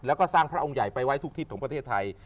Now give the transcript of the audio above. แล้วก็สร้างพระองค์ใหญ่ไปไว้ทุกทิศของประเทศไทย